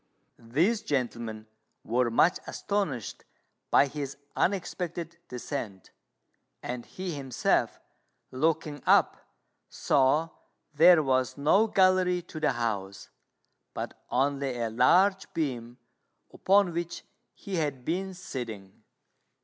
These gentlemen were much astonished by his unexpected descent; and he himself, looking up, saw there was no gallery to the house, but only a large beam upon which he had been sitting.